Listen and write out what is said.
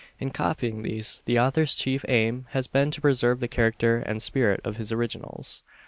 In copying these, the author's chief aim has been to preserve the character and spirit of his originals.